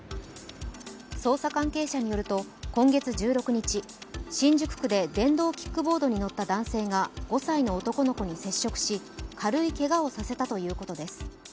捜査関係者によると今月１６日、新宿区で電動キックボードに乗った男性が５歳の男の子に接触し軽いけがをさせたということです。